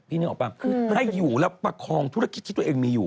นึกออกป่ะคือให้อยู่แล้วประคองธุรกิจที่ตัวเองมีอยู่